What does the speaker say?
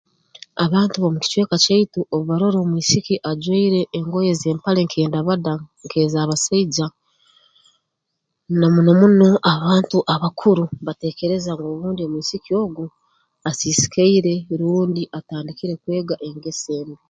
Obantu b'omu kicweka kyaitu obu barora omwisiki ajwaire engoye z'empale nk'endabada nk'ez'abasaija na muno muno abantu abakuru bateekereza ngu obundi omwisiki ogu asiisikaire rundi atandikire kwega engeso embi